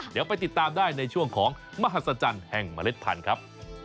เดี๋ยวไปติดตามได้ในช่วงของมหัศจรรย์แห่งเมล็ดพันธุ์ครับ